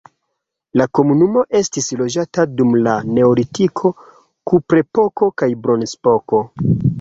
La komunumo estis loĝata dum la neolitiko, kuprepoko kaj bronzepoko.